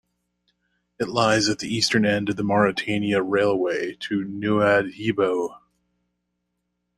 It lies at the eastern end of the Mauritania Railway to Nouadhibou.